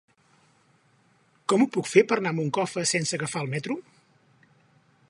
Com ho puc fer per anar a Moncofa sense agafar el metro?